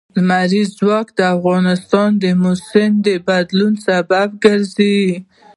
لمریز ځواک د افغانستان د موسم د بدلون سبب کېږي.